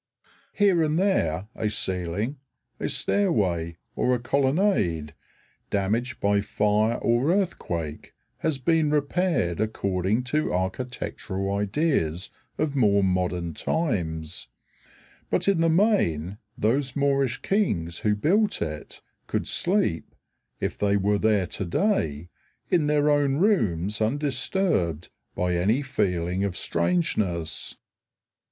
Here and there a ceiling, a stairway, or a colonnade, damaged by fire or earthquake, has been repaired according to architectural ideas of more modern times; but in the main those Moorish kings who built it could sleep, if they were there today, in their own rooms undisturbed by any feeling of strangeness.